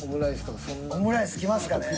オムライスきますかね。